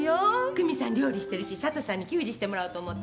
久美さん料理してるし佐都さんに給仕してもらおうと思って。